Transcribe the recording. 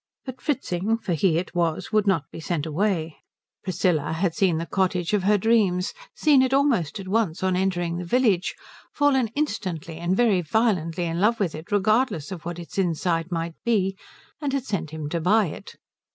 But Fritzing, for he it was, would not be sent away. Priscilla had seen the cottage of her dreams, seen it almost at once on entering the village, fallen instantly and very violently in love with it regardless of what its inside might be, and had sent him to buy it.